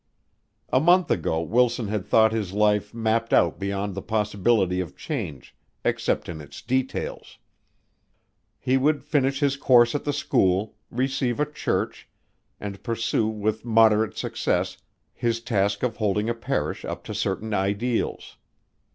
A month ago Wilson had thought his life mapped out beyond the possibility of change, except in its details; he would finish his course at the school, receive a church, and pursue with moderate success his task of holding a parish up to certain ideals.